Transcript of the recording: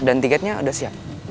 dan tiketnya udah siap